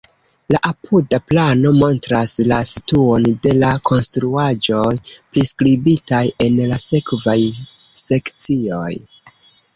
La apuda plano montras la situon de la konstruaĵoj priskribitaj en la sekvaj sekcioj.